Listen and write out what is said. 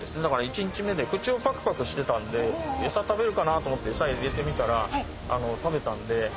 だから１日目で口をパクパクしてたんでえさ食べるかなと思ってえさ入れてみたら食べたんで。